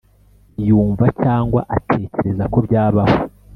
yumva cyangwa atekereza ko byabaho.